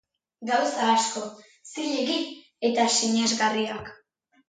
Gauza asko, zilegi, eta sinesgarriak.